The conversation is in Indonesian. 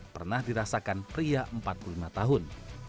pernah dirasakan pria empat puluh lima tahun